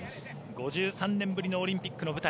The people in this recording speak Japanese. ５３年ぶりのオリンピックの舞台。